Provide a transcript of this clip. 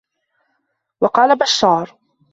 وَقَالَ بَشَّارٌ